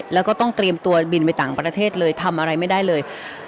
แล้วก็ต้องเตรียมตัวบินไปต่างประเทศเลยทำอะไรไม่ได้เลย